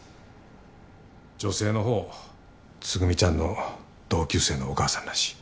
女性の方つぐみちゃんの同級生のお母さんらしい。